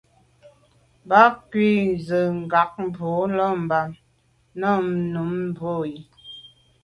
Mb’a’ ghù ju z’a ke’ bwô là Bam nà num mbwôge.